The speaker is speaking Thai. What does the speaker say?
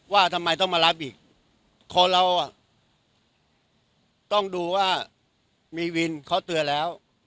ว่าทำไมต้องมารับอีกคนเราอ่ะต้องดูว่ามีวินเขาเตือนแล้ว